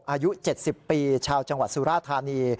อายุ๗๐ปีชาวจังหวัดสุราธานี